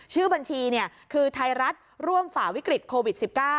ชื่อบัญชีคือไทยรัฐร่วมฝ่าวิกฤตโควิด๑๙